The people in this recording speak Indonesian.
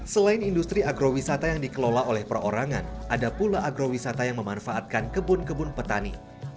selain industri agrowisata yang dikelola oleh perorangan ada pula agrowisata yang memanfaatkan kebun kebun petani